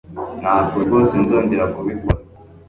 ntabwo rwose nzongera kubikora